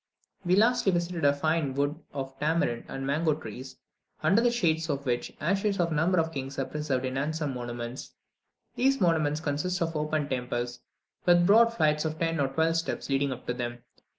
We lastly visited a remarkably fine wood of tamarind and mango trees, under the shadows of which the ashes of a number of kings are preserved in handsome monuments. These monuments consist of open temples, with broad flights of ten or twelve steps leading up to them.